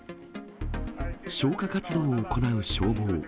消火活動を行う消防。